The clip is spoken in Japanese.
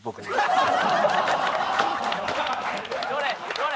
どれ？